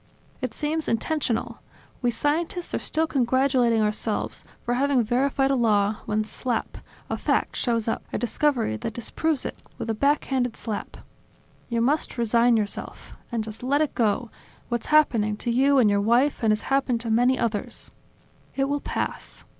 It seems intentional; we scientists are still congratulating ourselves for having verified a law, when slap! a fact shows up, a discovery that disproves it, with a back handed slap. You must resign yourself. And just let it go, what's happening to you and your wife and has happened to many others. It will pass.